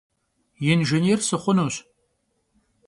Yinjjênêr sıxhunuş.